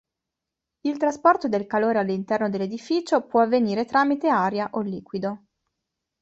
Il trasporto del calore all'interno dell'edificio può avvenire tramite aria o liquido.